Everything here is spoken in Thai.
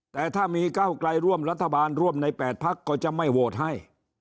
แต่ถ้ามีก้าวไกลร่วมรัฐบาลร่วมใน๘พักก็จะไม่โหวตให้